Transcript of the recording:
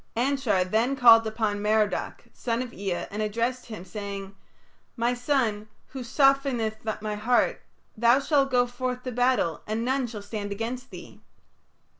Anshar then called upon Merodach, son of Ea, and addressed him, saying, "My son, who softeneth my heart, thou shalt go forth to battle and none shall stand against thee."